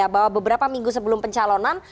bahwa beberapa minggu sebelum pencalonan